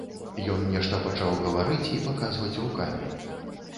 Ён нешта пачаў гаварыць і паказваць рукамі.